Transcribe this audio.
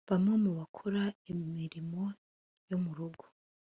Bamwe mu bakora imirimo yo mu rugo